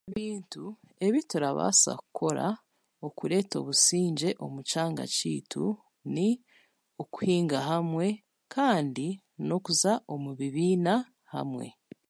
Ebintu ebiturabaasa kukora okureta obusingye omu kyanga kyeitu ni, okuhinga hamwe kandi n'okuza omu bibiina hamwe.